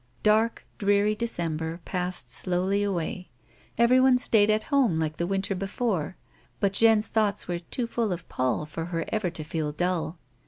Dark, dreary December passed slowly away. Everyone stayed at home like the winter before, but Jeanne's thoughts were too full of Paul for her ever to feel dull.